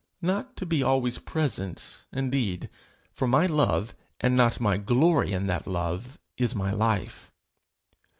not to be always present, indeed, for my love, and not my glory in that love, is my life.